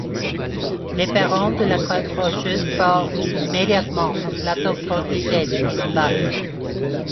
L'éperon de la crête rocheuse forme immédiatement un plateau protégé des inondations.